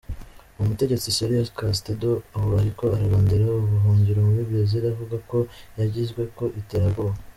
Uwo mutegetsi, Celia Castedo, ubu ariko ararondera ubuhungiro muri Brezil, avuga ko yagizweko iterabwoba.